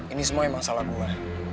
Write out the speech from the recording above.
ini semua emang salah gue